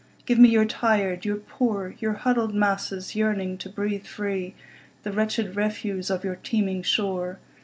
"Give me your tired, your poor, Your huddled masses yearning to breathe free, The wretched refuse of your teeming shore.